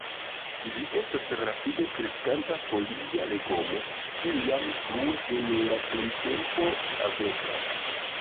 Ĝi estas rapide kreskanta folia legomo, kiu jam frue dum la printempo haveblas.